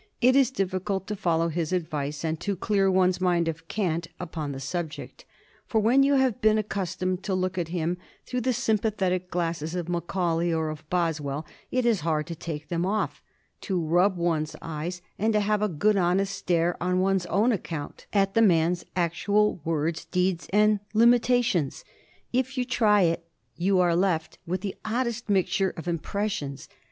It is difficult to follow his own advice and to "clear one's mind of cant" upon the subject, for when you have been accustomed to look at him through the sympathetic glasses of Macaulay or of Boswell, it is hard to take them off, to rub one's eyes, and to have a good honest stare on one's own account at the man's actual words, deeds, and limitations. If you try it you are left with the oddest mixture of impressions.